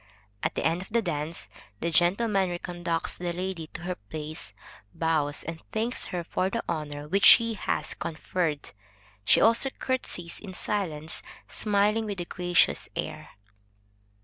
At the end of the dance, the gentleman re conducts the lady to her place, bows and thanks her for the honor which she has conferred. She also curtsies in silence, smiling with a gracious air.